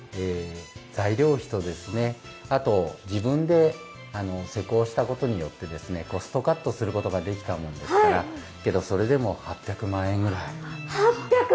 材料費とあと自分で施工したことでコストカットすることができたもんですから、それでも８００万円くらい。